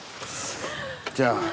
じゃあ。